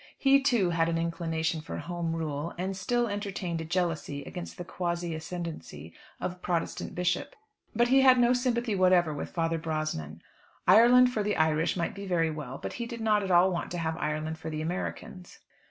He, too, had an inclination for Home Rule, and still entertained a jealousy against the quasi ascendency of a Protestant bishop; but he had no sympathy whatever with Father Brosnan. Ireland for the Irish might be very well, but he did not at all want to have Ireland for the Americans.